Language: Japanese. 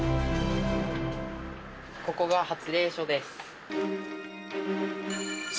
ここが発令所です。